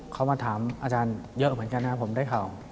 เขามาถามอาจารย์เยอะเหมือนกันนะครับผมได้ข่าว